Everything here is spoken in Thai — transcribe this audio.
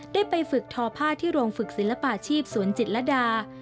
ได้ไปฝึกทอผ้าที่โรงฝึกศิลปาชีพสวนจิตรดา